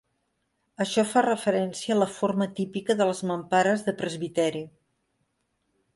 Això fa referència a la forma típica de les mampares de presbiteri.